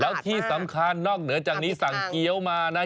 แล้วที่สำคัญนอกเหนือจากนี้สั่งเกี้ยวมานะ